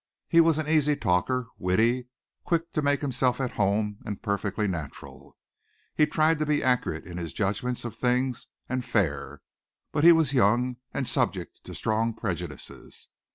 He was an easy talker, witty, quick to make himself at home and perfectly natural. He tried to be accurate in his judgments of things, and fair, but he was young and subject to strong prejudices.